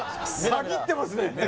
たぎってますね